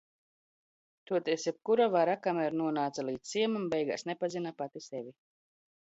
Toties jebkura vara, kam?r non?ca l?dz ciemam, beig?s nepazina pati sevi.